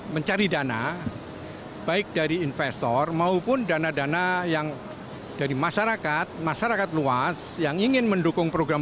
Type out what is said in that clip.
mencari dana baik dari investor maupun dana dana yang dari masyarakat masyarakat luas yang ingin mendukung program